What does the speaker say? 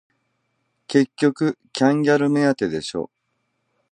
結局キャンギャル目当てでしょ